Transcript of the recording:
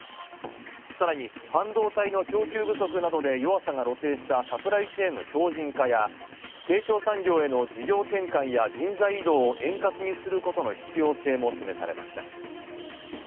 さらに半導体の供給不足で弱さが露呈したサプライチェーンの強靱化や成長産業への転換や人材移動を必要だと示されました。